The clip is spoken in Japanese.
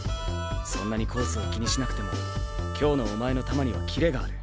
そんなにコースを気にしなくても今日のお前の球にはキレがある。